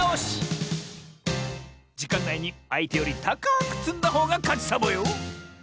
じかんないにあいてよりたかくつんだほうがかちサボよ！